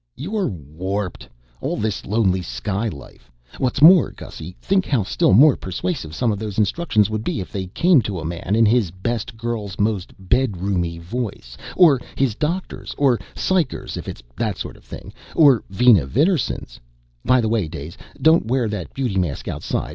"You're warped all this lonely sky life. What's more, Gussy, think how still more persuasive some of those instructions would be if they came to a man in his best girl's most bedroomy voice, or his doctor's or psycher's if it's that sort of thing or Vina Vidarsson's! By the way, Daze, don't wear that beauty mask outside.